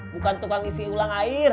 bukan tukang isi ulang air